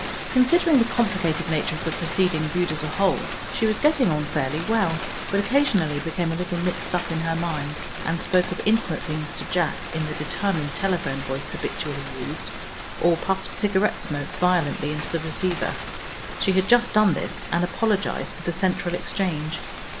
Considering the complicated nature of the proceeding viewed as a whole, she was getting on fairly well, but occasionally became a little mixed up in her mind, and spoke of intimate things to Jack in the determined telephone voice habitually used, or puffed cigarette smoke violently into the receiver. She had just done this and apologized to the Central exchange.